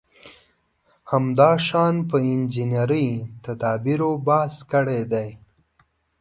همداشان په انجنیري تدابېرو بحث کړی دی.